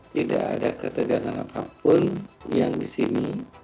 tidak ada ketergantungan apapun yang disini